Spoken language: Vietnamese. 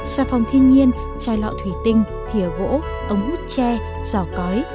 sà phòng thiên nhiên chai lọ thủy tinh thịa gỗ ống hút che giò cói